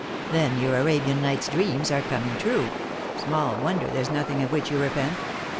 "Then your Arabian Nights dreams are coming true ; small wonder there's nothing of which you repent.